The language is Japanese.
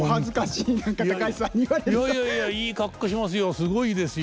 いやいやいやいい格好しますよ。